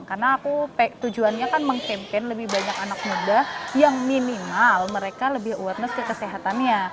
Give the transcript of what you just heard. karena aku tujuannya kan mengkampen lebih banyak anak muda yang minimal mereka lebih awareness ke kesehatannya